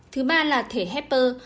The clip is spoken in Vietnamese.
thứ ba là thể hepper